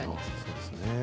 そうですね。